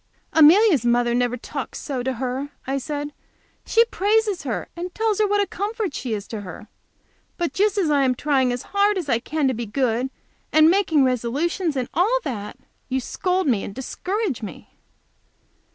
"Amelia's mother never talks so to her!" I said. "She praises her, and tells her what a comfort she is to her. But just as I am trying as hard as I can to be good, and making resolutions, and all that, you scold me and discourage me!"